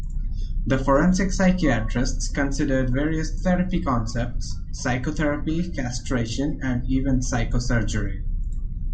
The forensic psychiatrists considered various therapy concepts: psychotherapy, castration and even psychosurgery.